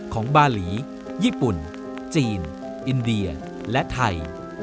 บาหลีญี่ปุ่นจีนอินเดียและไทย